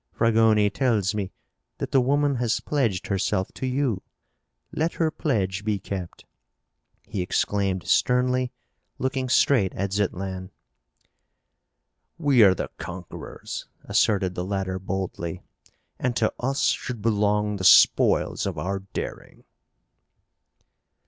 Fragoni tells me that the woman has pledged herself to you. Let her pledge be kept!" he exclaimed sternly, looking straight at Zitlan. "We are the conquerors," asserted the latter boldly, "and to us should belong the spoils of our daring!"